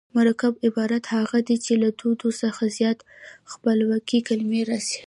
مرکب عبارت هغه دﺉ، چي له دوو څخه زیاتي خپلواکي کلیمې راسي.